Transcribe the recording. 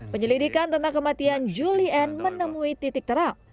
penyelidikan tentang kematian julian menemui titik terang